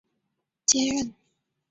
后由戴仁行接任。